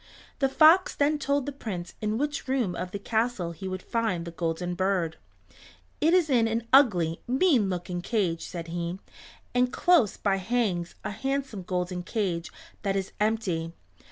The fox then told the Prince in which room of the castle he would find the Golden Bird. "It is in an ugly, mean looking cage," said he, "and close by hangs a handsome golden cage that is empty.